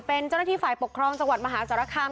เป็นเจ้าหน้าที่ฝ่ายปกครองจังหวัดมหาสารคาม